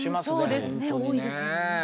そうですね多いですもんね。